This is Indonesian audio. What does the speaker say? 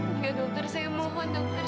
oke dokter saya mohon dokter